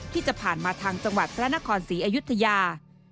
ที่ผ่านมาทางจังหวัดพระนครศรีอยุธยา